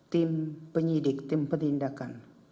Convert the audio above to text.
tim penyidik tim pentindakan